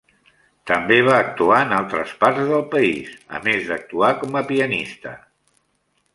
També va actuar en altres parts del país, a més d'actuar com a pianista.